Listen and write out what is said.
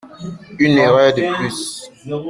Une erreur de plus.